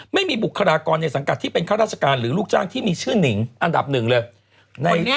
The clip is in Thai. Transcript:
บุคลากรในสังกัดที่เป็นข้าราชการหรือลูกจ้างที่มีชื่อหนิงอันดับหนึ่งเลย